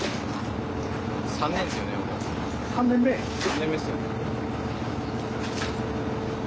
３年目っすよね。